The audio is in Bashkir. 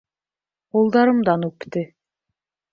Ҡулдарымдан үпте.